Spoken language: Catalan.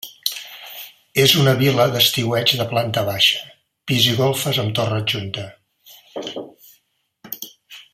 És una vil·la d'estiueig de planta baixa, pis i golfes amb torre adjunta.